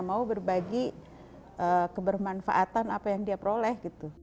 mau berbagi kebermanfaatan apa yang dia peroleh gitu